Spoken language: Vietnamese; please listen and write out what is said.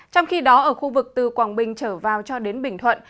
trong khi đó ở khu vực từ quảng bình trở vào cho đến bình thuận